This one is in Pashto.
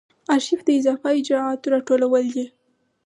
آرشیف د اضافه اجرااتو راټولول دي.